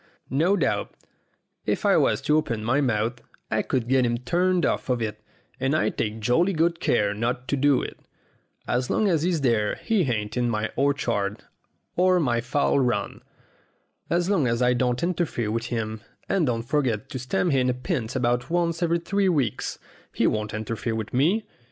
No doubt, if I was to open my mouth, I could get him turned off of it, and I take jolly good care not to do it. As long as he's there he ain't in my orchard or my fowl run. As long as I don't interfere with him, and don't forget to stand him a pint about once every three weeks, he won't interfere with me.